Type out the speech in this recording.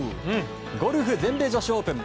ゴルフ、全米女子オープン。